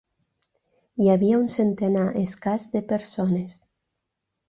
Hi havia un centenar escàs de persones.